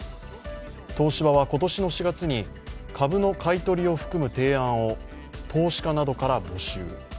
東芝は今年の４月に株の買い取りを含む提案を投資家などから募集。